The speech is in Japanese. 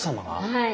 はい。